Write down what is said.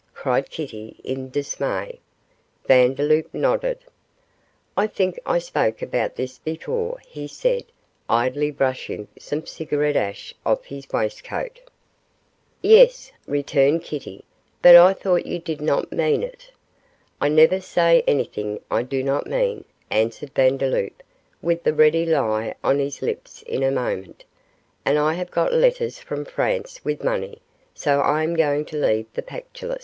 cried Kitty, in dismay. Vandeloup nodded. 'I think I spoke about this before,' he said, idly brushing some cigarette ash off his waistcoat. 'Yes,' returned Kitty, 'but I thought you did not mean it.' 'I never say anything I do not mean,' answered Vandeloup, with the ready lie on his lips in a moment; 'and I have got letters from France with money, so I am going to leave the Pactolus.